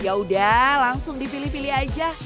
yaudah langsung dipilih pilih aja